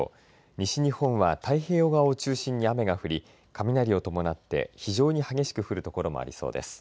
西日本は太平洋側を中心に雨が降り雷を伴って非常に激しく降る所もありそうです。